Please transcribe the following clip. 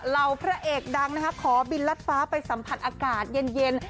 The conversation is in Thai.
พระเอกดังนะคะขอบินลัดฟ้าไปสัมผัสอากาศเย็น